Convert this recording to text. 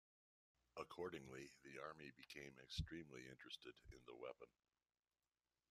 Accordingly, the Army became extremely interested in the weapon.